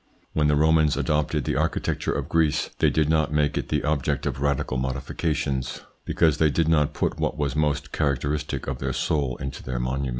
When the Romans adopted the architecture of Greece they did not make it the object of radical modifications, because they did not put what was most characteristic of their soul into their monuments.